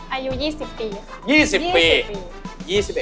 อายุ๒๐ปีค่ะ